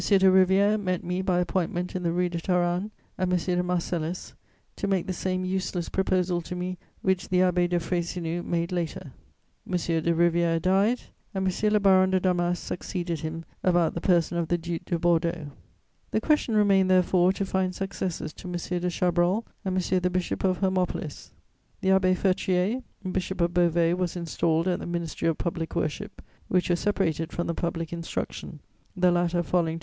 de Rivière met me by appointment in the Rue de Taranne, at M. de Marcellus', to make the same useless proposal to me which the Abbé de Frayssinous made later. M. de Rivière died, and M. le Baron de Damas succeeded him about the person of the Duc de Bordeaux. The question remained therefore to find successors to M. de Chabrol and M. the Bishop of Hermopolis. The Abbé Feutrier, Bishop of Beauvais, was installed at the Ministry of Public Worship, which was separated from the Public Instruction, the latter falling to M.